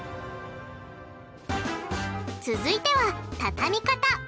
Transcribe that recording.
続いては畳み方。